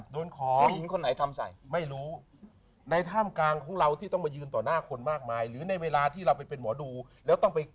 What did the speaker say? โดนของเหมือนกัน